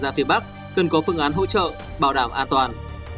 từ các tỉnh phía nam ra phía bắc cần có phương án hỗ trợ bảo đảm an toàn